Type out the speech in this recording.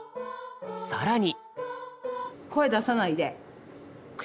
更に。